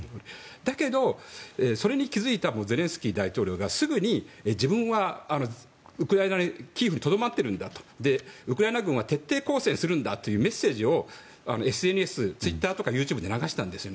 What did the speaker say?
だけど、それに気づいたゼレンスキー大統領がすぐに自分はウクライナキーウにとどまっているんだとウクライナ軍は徹底抗戦するんだというメッセージをＳＮＳ、ツイッターとかＹｏｕＴｕｂｅに流したんですよね。